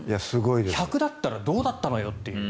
１００だったらどうだったのよっていう。